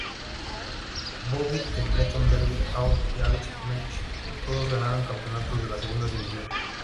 Bobby Templeton, Bertie Auld y Alex McLeish todos ganaron campeonatos de la segunda división.